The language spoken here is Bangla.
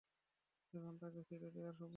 এখন তাকে ছেড়ে দেয়ার সময় হয়েছে।